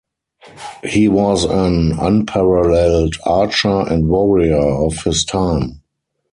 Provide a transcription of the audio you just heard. He was an unparalleled archer and warrior of his time.